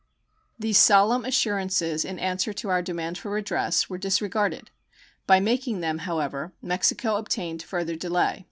These solemn assurances in answer to our demand for redress were disregarded. By making them, however, Mexico obtained further delay.